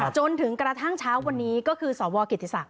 จนกระทั่งเช้าวันนี้ก็คือสวกิติศักดิ